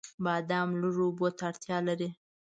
بادام لږو اوبو ته اړتیا لري.